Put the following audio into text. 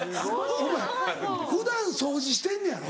お前普段掃除してんのやろ？